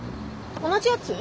同じやつ？